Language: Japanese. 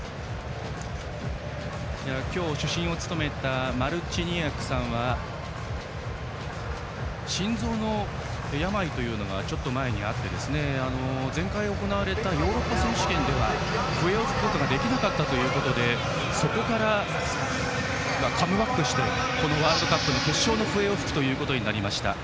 今日、主審を務めたマルチニアクさんは心臓の病というのがちょっと前にあって前回行われたヨーロッパ選手権では笛を吹くことができなかったということでそこからカムバックしてこのワールドカップの決勝の笛を吹くことになりました。